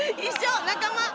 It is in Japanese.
仲間！